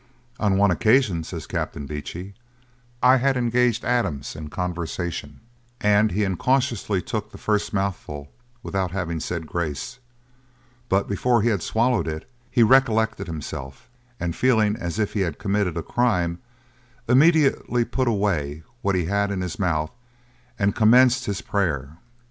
'On one occasion,' says Captain Beechey, 'I had engaged Adams in conversation, and he incautiously took the first mouthful without having said grace; but before he had swallowed it, he recollected himself, and feeling as if he had committed a crime, immediately put away what he had in his mouth, and commenced his prayer.'